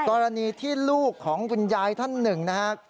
กรณีที่ลูกของคุณยายท่านหนึ่งนะครับ